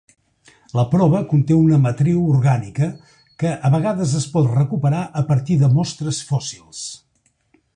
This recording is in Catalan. La prova conté una matriu orgànica, que a vegades es pot recuperar a partir de mostres fòssils.